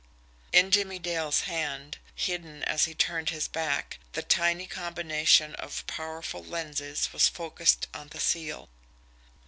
In Jimmie Dale' hand, hidden as he turned his back, the tiny combination of powerful lenses was focused on the seal.